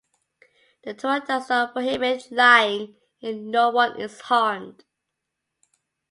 The Torah does not prohibit lying if no one is harmed.